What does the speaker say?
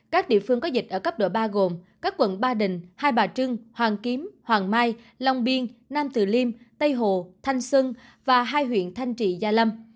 các địa phương có dịch ở cấp độ ba gồm các quận ba đình hai bà trưng hoàng kiếm hoàng mai long biên nam từ liêm tây hồ thanh xuân và hai huyện thanh trị gia lâm